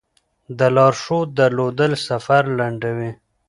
د لارښود درلودل سفر لنډوي.